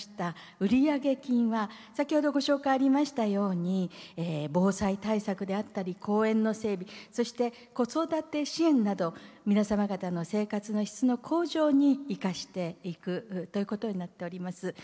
売上金は先ほどご紹介がありましたように防災対策であったり公園の整備そして子育て支援など皆様方の生活の質の向上に生かしていくということになっています。